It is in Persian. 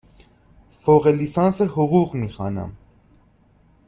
فوق لیسانس حقوق می خوانم.